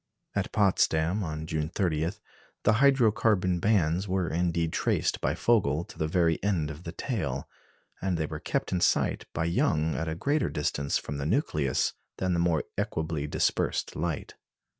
At Potsdam, on June 30, the hydro carbon bands were indeed traced by Vogel to the very end of the tail; and they were kept in sight by Young at a greater distance from the nucleus than the more equably dispersed light.